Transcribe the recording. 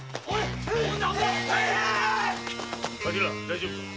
大丈夫か？